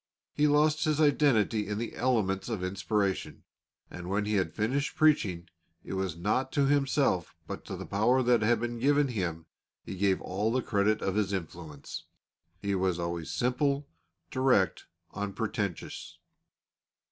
He lost his identity in the elements of inspiration, and when he had finished preaching it was not to himself but to the power that had been given him, he gave all the credit of his influence. He was always simple, direct, unpretentious.